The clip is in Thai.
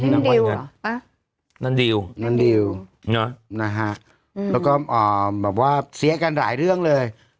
รางวัลเงินนั่นดิวนั่นดิวนะฮะแล้วก็แบบว่าเสียกันหลายเรื่องเลย